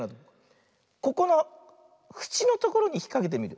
ここのふちのところにひっかけてみる。